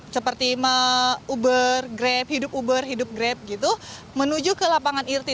seperti uber grab hidup uber hidup grab gitu menuju ke lapangan irti